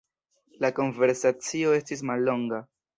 La konversacio estis mallonga.